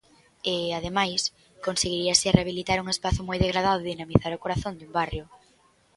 E, ademais, conseguiríase rehabilitar un espazo moi degradado e dinamizar o corazón dun barrio.